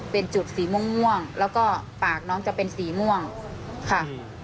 เป็นจุดสีม่วงแล้วก็ปากน้องจะเป็นสีม่วงค่ะ